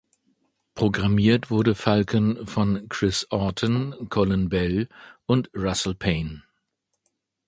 Programmiert wurde Falcon von Chris Orton, Colin Bell und Russell Payne.